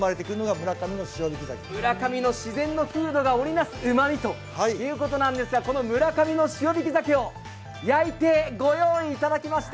村上の自然の風土がおりなす味ということなんですが村上の塩引き鮭を焼いてご用意いただきました。